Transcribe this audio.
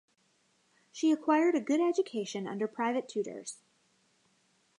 She acquired a good education under private tutors.